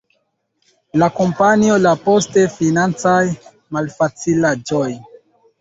La kompanio la post financaj malfacilaĵoj.